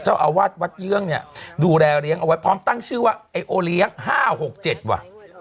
เจ้าอาวาสวัดเยื่องเนี่ยดูแลเลี้ยงเอาไว้พร้อมตั้งชื่อว่าไอ้โอเลี้ยง๕๖๗ว่ะ